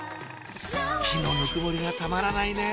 木のぬくもりがたまらないねぇ